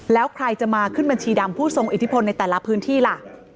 แล้วใครจะมาขึ้นบัญชีดำผู้ทรงอิทธิพลในแต่ละพื้นที่ล่ะ